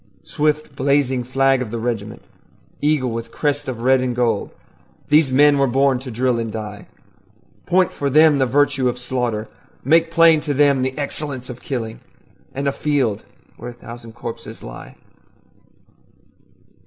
Swift blazing flag of the regiment, Eagle with crest of red and gold, These men were born to drill and die. Point for them the virtue of slaughter, Make plain to them the excellence of killing And a field where a thousand corpses lie.